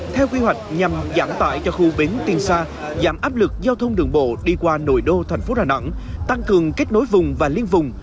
theo quy hoạch nhằm giảm tải cho khu bến tiên sa giảm áp lực giao thông đường bộ đi qua nội đô thành phố đà nẵng tăng cường kết nối vùng và liên vùng